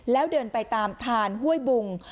แล้วเดินไปตามทานห้วยบุง